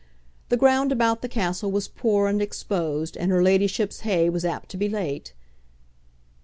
The ground about the castle was poor and exposed, and her ladyship's hay was apt to be late.